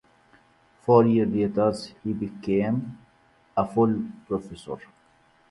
Four years later, he became a full professor.